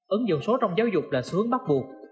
ứng dụng số trong giáo dục là xu hướng bắt buộc